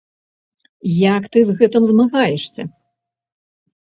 Як ты з гэтым змагаешся?